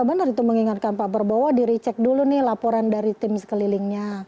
benar itu mengingatkan pak prabowo di recek dulu nih laporan dari tim sekelilingnya